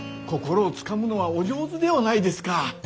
心をつかむのはお上手ではないですか。